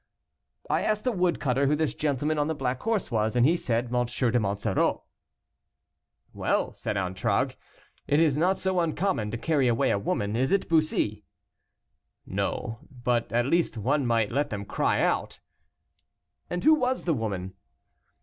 "I asked a woodcutter who this gentleman on the black horse was, and he said, 'M. de Monsoreau.'" "Well," said Antragues, "it is not so uncommon to carry away a woman, is it, Bussy?" "No; but, at least, one might let them cry out." "And who was the woman?"